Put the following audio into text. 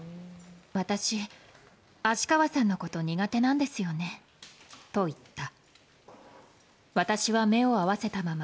私、芦川さんのこと苦手なんですよねと言った。